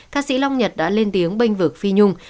ca sĩ long nhật đã lên tiếng bênh vực phi nhung